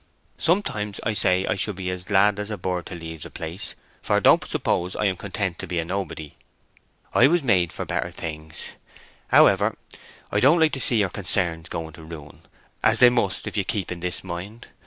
Sometimes I say I should be as glad as a bird to leave the place—for don't suppose I'm content to be a nobody. I was made for better things. However, I don't like to see your concerns going to ruin, as they must if you keep in this mind....